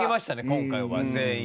今回は全員。